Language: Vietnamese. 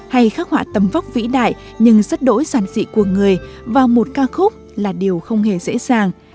hay khắc họa tấm vóc vĩ đại nhưng rất đỗi sản dị của người vào một ca khúc là điều không hề dễ dàng